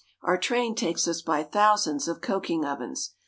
Our train takes us by thousands of coking ovens.